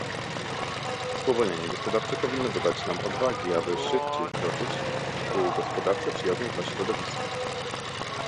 Spowolnienie gospodarcze powinno dodać nam odwagi, aby szybciej kroczyć ku gospodarce przyjaznej dla środowiska